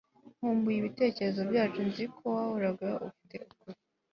nkumbuye ibitekerezo byacu nzi ko wahoraga ufite ukuri